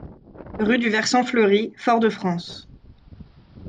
Rue du Versant Fleuri, Fort-de-France